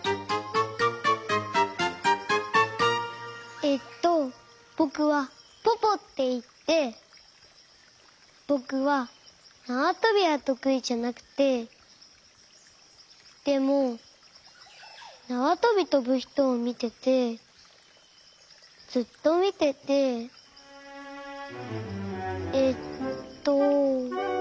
えっとぼくはポポっていってぼくはなわとびはとくいじゃなくてでもなわとびとぶひとをみててずっとみててえっと。